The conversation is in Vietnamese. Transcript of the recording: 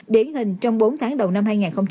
điển hình trong bốn tháng đầu năm hai nghìn một mươi chín